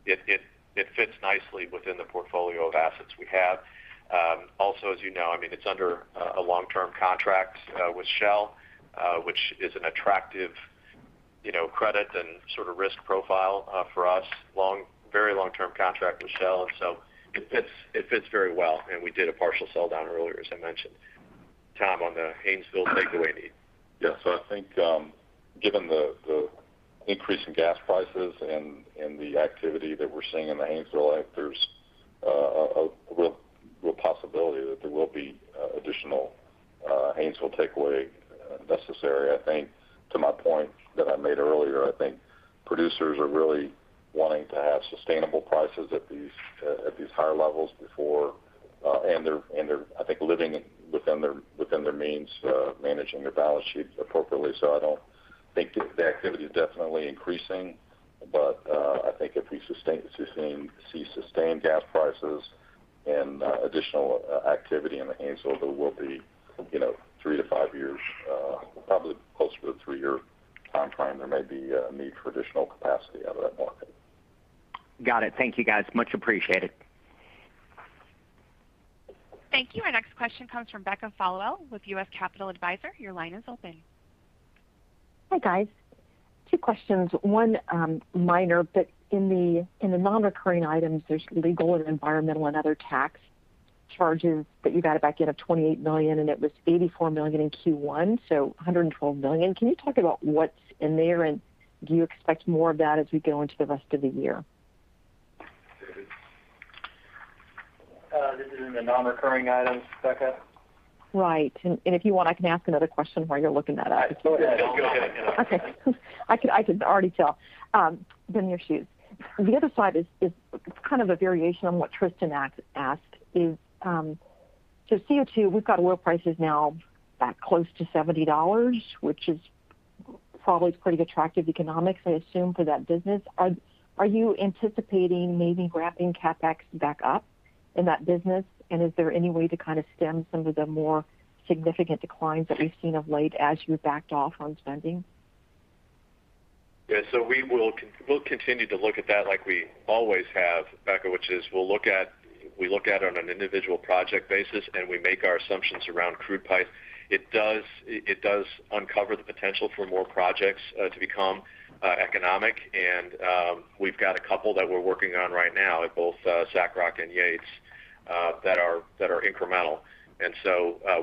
It fits nicely within the portfolio of assets we have. As you know, it's under a long-term contract with Shell which is an attractive credit and risk profile for us. Very long-term contract with Shell, it fits very well. We did a partial sell-down earlier, as I mentioned. Tom, on the Haynesville takeaway need. Yeah. I think given the increase in gas prices and the activity that we're seeing in the Haynesville, I think there's a real possibility that there will be additional Haynesville takeaway necessary. I think to my point that I made earlier, I think producers are really wanting to have sustainable prices at these higher levels before they're, I think, living within their means, managing their balance sheets appropriately. I think the activity is definitely increasing. I think if we see sustained gas prices and additional activity in the Haynesville, there will be three to five years, probably closer to a three-year timeframe, there may be a need for additional capacity out of that market. Got it. Thank you, guys. Much appreciated. Thank you. Our next question comes from Becca Followill with U.S. Capital Advisors. Your line is open. Hi, guys. Two questions. One minor. In the non-recurring items, there's legal and environmental and other tax charges that you've had back in of $28 million and it was $84 million in Q1, so $112 million. Can you talk about what's in there? Do you expect more of that as we go into the rest of the year? This is in the non-recurring items, Becca? Right. If you want, I can ask another question while you're looking that up. Go ahead. Okay. I could already tell. Been in your shoes. The other side is kind of a variation on what Tristan asked is, CO2, we've got oil prices now back close to $70, which is probably pretty attractive economics, I assume, for that business. Are you anticipating maybe ramping CapEx back up in that business? And is there any way to stem some of the more significant declines that we've seen of late as you backed off on spending? We'll continue to look at that like we always have, Becca, which is we'll look at it on an individual project basis, and we make our assumptions around crude price. It does uncover the potential for more projects to become economic, and we've got a couple that we're working on right now at both SACROC and Yates that are incremental.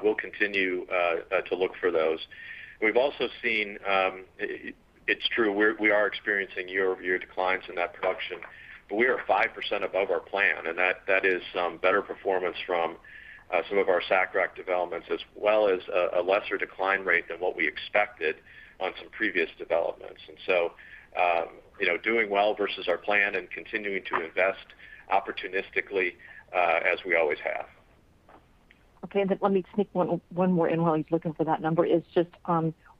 We'll continue to look for those. It's true, we are experiencing year-over-year declines in that production, but we are 5% above our plan, and that is better performance from some of our SACROC developments as well as a lesser decline rate than what we expected on some previous developments. Doing well versus our plan and continuing to invest opportunistically as we always have. Okay, let me sneak one more in while he's looking for that number, is just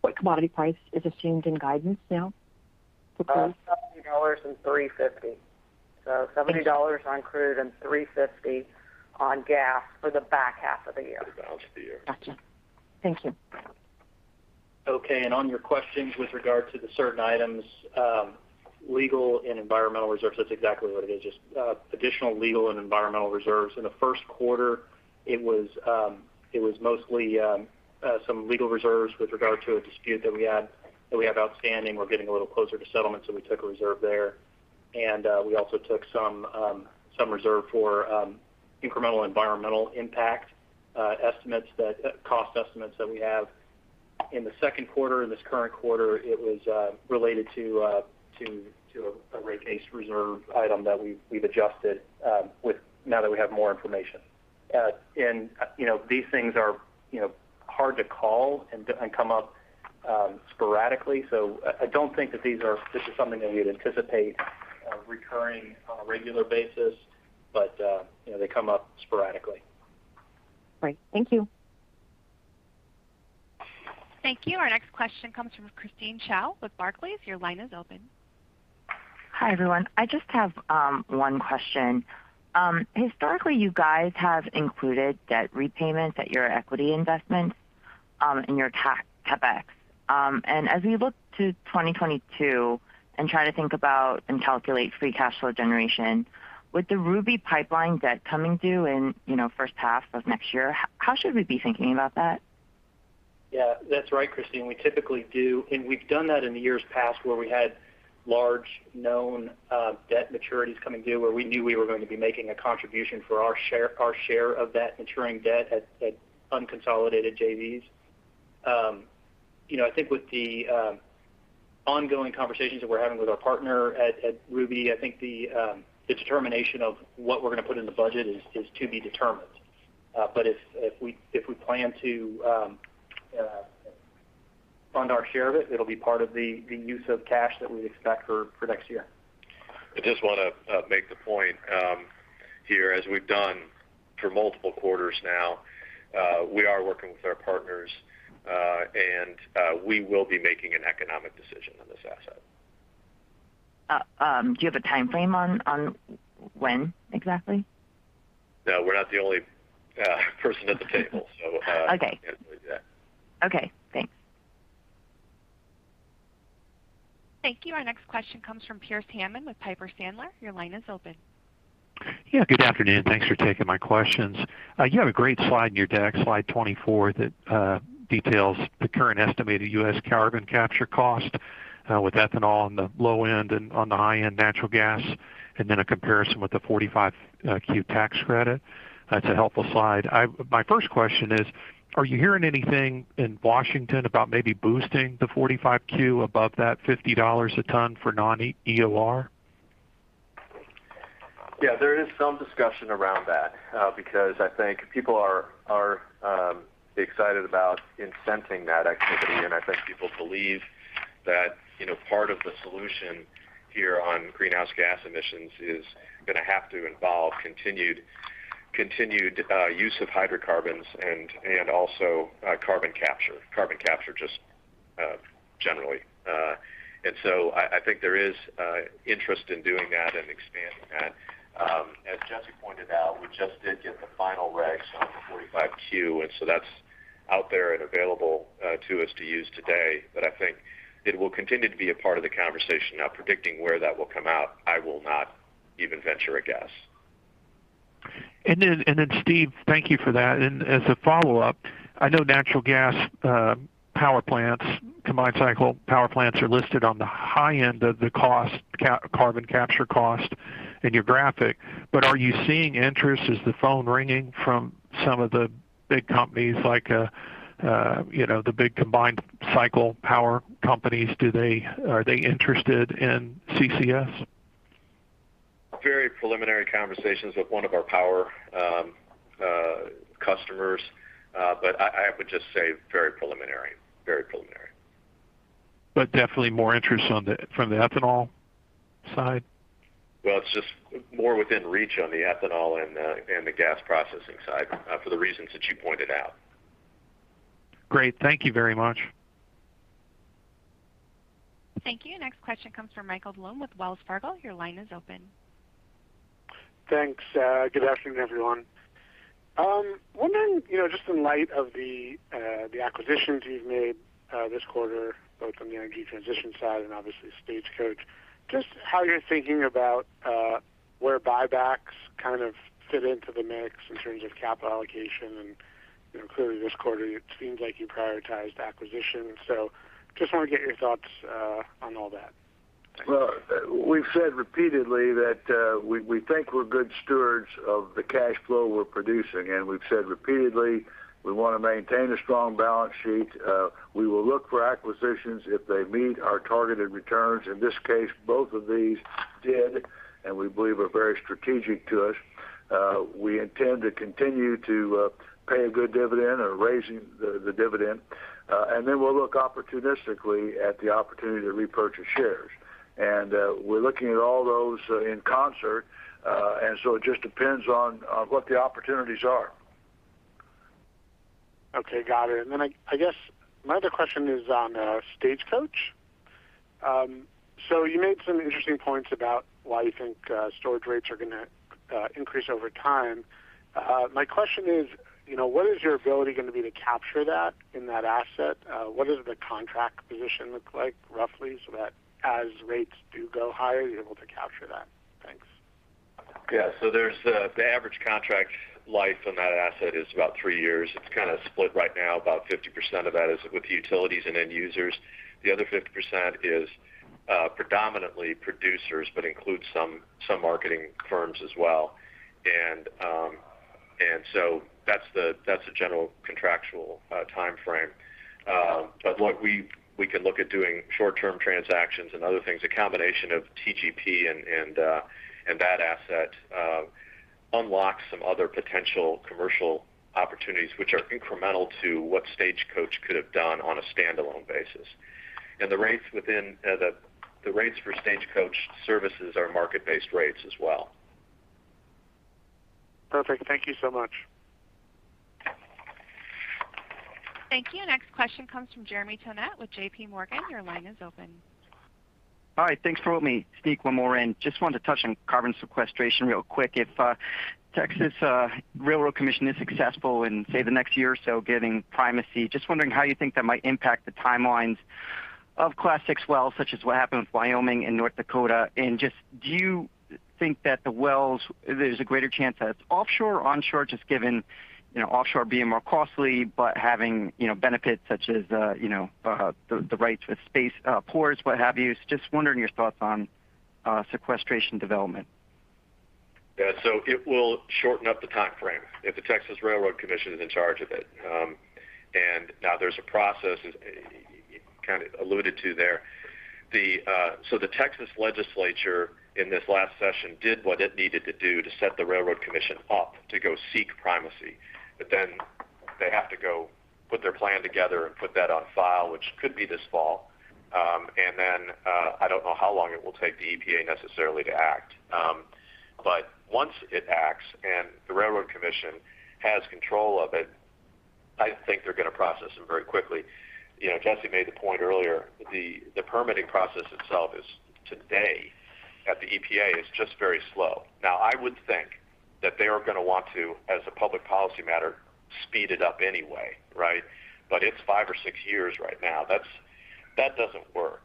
what commodity price is assumed in guidance now? $70 and $3.50. $70 on crude and $3.50 on gas for the back half of the year. Got you. Thank you. Okay, on your questions with regard to the certain items, legal and environmental reserves, that's exactly what it is. Just additional legal and environmental reserves. In the first quarter, it was mostly some legal reserves with regard to a dispute that we have outstanding. We're getting a little closer to settlement, so we took a reserve there. We also took some reserve for incremental environmental impact cost estimates that we have. In the second quarter, in this current quarter, it was related to a rate case reserve item that we've adjusted now that we have more information. These things are hard to call and come up sporadically. I don't think that this is something that you'd anticipate recurring on a regular basis, but they come up sporadically. Great. Thank you. Thank you. Our next question comes from Christine Cho with Barclays. Your line is open. Hi, everyone. I just have one question. Historically, you guys have included debt repayments at your equity investment in your CapEx. As we look to 2022 and try to think about and calculate free cash flow generation, with the Ruby Pipeline debt coming due in first half of next year, how should we be thinking about that? That's right, Christine. We typically do, and we've done that in the years past where we had large known debt maturities coming due where we knew we were going to be making a contribution for our share of that maturing debt at unconsolidated JVs. I think with the ongoing conversations that we're having with our partner at Ruby, I think the determination of what we're going to put in the budget is to be determined. If we plan to fund our share of it'll be part of the use of cash that we expect for next year. I just want to make the point here, as we've done for multiple quarters now, we are working with our partners, and we will be making an economic decision on this asset. Do you have a timeframe on when exactly? No, we're not the only person at the table. Okay. Can't believe that. Okay, thanks. Thank you. Our next question comes from Pearce Hammond with Piper Sandler. Your line is open. Good afternoon. Thanks for taking my questions. You have a great slide in your deck, slide 24, that details the current estimated U.S. carbon capture cost with ethanol on the low end, and on the high end, natural gas, and then a comparison with the 45Q tax credit. That's a helpful slide. My first question is, are you hearing anything in Washington about maybe boosting the 45Q above that $50 a ton for non-EOR? Yeah, there is some discussion around that, because I think people are excited about incenting that activity, and I think people believe that part of the solution here on greenhouse gas emissions is going to have to involve continued use of hydrocarbons and also carbon capture just generally. I think there is interest in doing that and expanding that. As Jesse pointed out, we just did get the final regs on the 45Q, and so that's out there and available to us to use today, but I think it will continue to be a part of the conversation. Predicting where that will come out, I will not even venture a guess. Steve, thank you for that. As a follow-up, I know natural gas power plants, combined cycle power plants, are listed on the high end of the carbon capture cost in your graphic, are you seeing interest? Is the phone ringing from some of the big companies, like the big combined cycle power companies? Are they interested in CCS? Very preliminary conversations with one of our power customers. I would just say very preliminary. Definitely more interest from the ethanol side? It's just more within reach on the ethanol and the gas processing side for the reasons that you pointed out. Great. Thank you very much. Thank you. Next question comes from Michael Blum with Wells Fargo. Your line is open. Thanks. Good afternoon, everyone. Wondering, just in light of the acquisitions you've made this quarter, both on the Energy Transition side and obviously Stagecoach, just how you're thinking about where buybacks kind of fit into the mix in terms of capital allocation and clearly this quarter it seems like you prioritized acquisitions. Just want to get your thoughts on all that. Well, we've said repeatedly that we think we're good stewards of the cash flow we're producing, and we've said repeatedly we want to maintain a strong balance sheet. We will look for acquisitions if they meet our targeted returns. In this case, both of these did, and we believe are very strategic to us. We intend to continue to pay a good dividend or raising the dividend. Then we'll look opportunistically at the opportunity to repurchase shares. We're looking at all those in concert. So it just depends on what the opportunities are. Okay, got it. I guess my other question is on Stagecoach. You made some interesting points about why you think storage rates are going to increase over time. My question is, what is your ability going to be to capture that in that asset? What does the contract position look like roughly so that as rates do go higher, you're able to capture that? Thanks. The average contract life on that asset is about three years. It's kind of split right now. About 50% of that is with utilities and end users. The other 50% is predominantly producers, but includes some marketing firms as well. That's the general contractual timeframe. Look, we can look at doing short-term transactions and other things. A combination of TGP and that asset unlocks some other potential commercial opportunities which are incremental to what Stagecoach could have done on a standalone basis. The rates for Stagecoach services are market-based rates as well. Perfect. Thank you so much. Thank you. Next question comes from Jeremy Tonet with JPMorgan. Your line is open. Hi. Thanks for letting me sneak one more in. Just wanted to touch on carbon sequestration real quick. If the Texas Railroad Commission is successful in, say, the next year or so, getting primacy, just wondering how you think that might impact the timelines of Class VI wells, such as what happened with Wyoming and North Dakota. Do you think that the wells, there's a greater chance that it's offshore, onshore, just given offshore being more costly but having benefits such as the rights with space, pores, what have you? Just wondering your thoughts on sequestration development. Yeah. It will shorten up the timeframe if the Texas Railroad Commission is in charge of it. Now there's a process you kind of alluded to there. The Texas legislature in this last session did what it needed to do to set the Railroad Commission up to go seek primacy. They have to go put their plan together and put that on file, which could be this fall. I don't know how long it will take the EPA necessarily to act. Once it acts and the Railroad Commission has control of it, I think they're going to process them very quickly. Jesse made the point earlier, the permitting process itself is today at the EPA, is just very slow. Now, I would think that they are going to want to, as a public policy matter, speed it up anyway, right? It's five or six years right now. That doesn't work.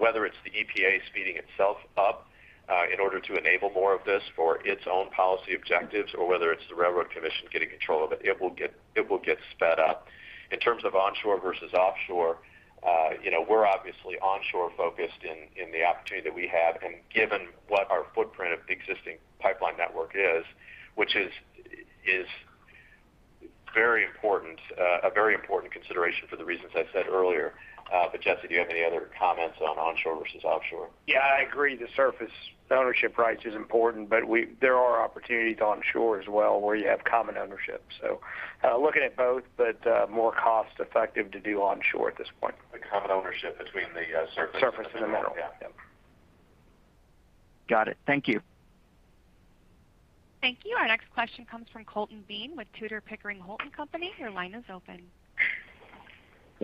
Whether it's the EPA speeding itself up in order to enable more of this for its own policy objectives, or whether it's the Railroad Commission getting control of it will get sped up. In terms of onshore versus offshore, we're obviously onshore focused in the opportunity that we have and given what our footprint of existing pipeline network is, which is a very important consideration for the reasons I said earlier. Jesse, do you have any other comments on onshore versus offshore? I agree the surface ownership price is important, but there are opportunities onshore as well where you have common ownership. Looking at both, but more cost effective to do onshore at this point. The common ownership between the surface- Surface and mineral. Yeah. Got it. Thank you. Thank you. Our next question comes from Colton Bean with Tudor, Pickering, Holt & Co. Your line is open.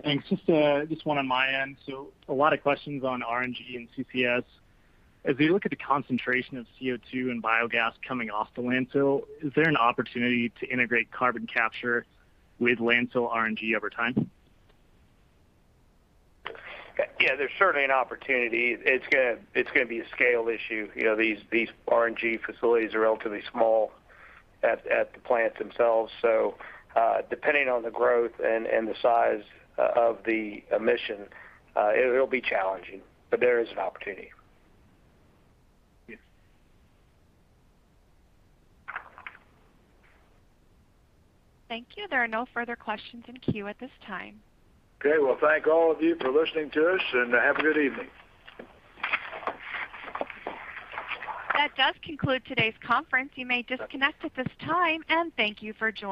Thanks. Just one on my end. A lot of questions on RNG and CCS. As we look at the concentration of CO2 and biogas coming off the landfill, is there an opportunity to integrate carbon capture with landfill RNG over time? Yeah, there's certainly an opportunity. It's going to be a scale issue. These RNG facilities are relatively small at the plants themselves. Depending on the growth and the size of the emission it'll be challenging, but there is an opportunity. Yes. Thank you. There are no further questions in queue at this time. Okay. Well, thank all of you for listening to us and have a good evening. That does conclude today's conference. You may disconnect at this time, and thank you for joining.